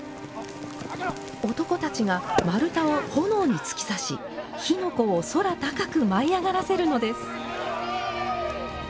男たちが丸太を炎に突き刺し火の粉を空高く舞い上がらせるのです。